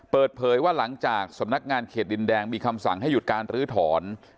เปิดเผยว่าหลังจากสำนักงานเขตดินแดงมีคำสั่งให้หยุดการลื้อถอน